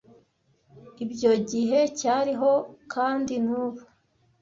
Ibyo gihe cyariho kandi nubu.